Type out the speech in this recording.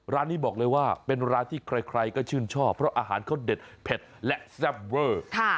ร้านนี้บอกเลยว่าเป็นร้านที่ใครก็ชื่นชอบเพราะอาหารเขาเด็ดเผ็ดและแซ่บเวอร์